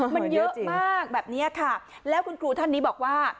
มันเยอะมากแบบนี้ค่ะแล้วคุณครูท่านนี้บอกว่า